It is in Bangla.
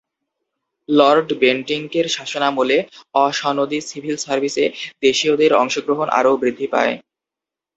লর্ড বেন্টিঙ্কের শাসনামলে অ-সনদী সিভিল সার্ভিসে দেশিয়দের অংশগ্রহণ আরও বৃদ্ধি পায়।